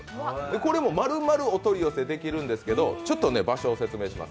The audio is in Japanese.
これもまるまるお取り寄せできるんですけど、場所を説明します。